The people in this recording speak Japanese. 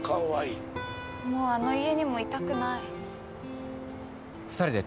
もうあの家にもいたくない。